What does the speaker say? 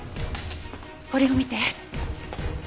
これを見て。